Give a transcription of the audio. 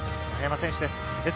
丸山選手です。